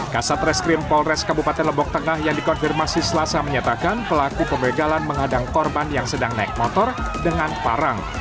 kasat reskrim polres kabupaten lombok tengah yang dikonfirmasi selasa menyatakan pelaku pembegalan menghadang korban yang sedang naik motor dengan parang